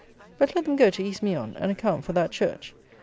But let them go to East Meon, and account for that church.